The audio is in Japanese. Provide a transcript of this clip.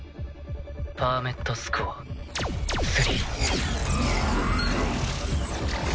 パーメットスコア３。